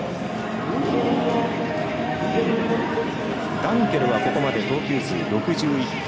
ガンケルはここまで投球数６１球。